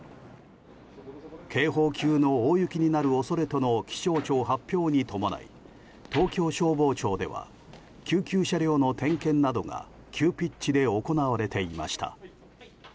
警報級の大雪になる恐れとの気象庁発表に伴い東京消防庁では救急車両の点検などが急ピッチで行われていました。